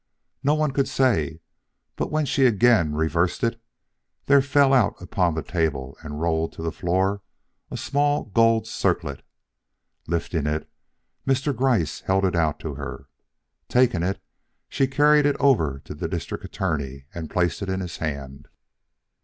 No one could say, but when she again reversed it, there fell out upon the table and rolled to the floor a small gold circlet. Lifting it, Mr. Gryce held it out to her. Taking it, she carried it over to the District Attorney and placed it in his hand.